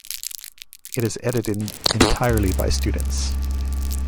It is edited entirely by students.